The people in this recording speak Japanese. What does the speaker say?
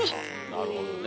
なるほどね。